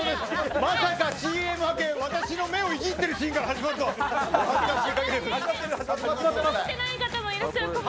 まさかＣＭ明け私の目をいじっているシーンから始まるとは。